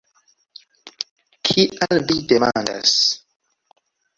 Kial vi demandas?